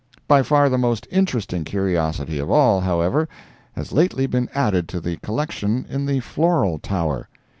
By far the most interesting curiosity of all, however, has lately been added to the collection in the Floral Tower.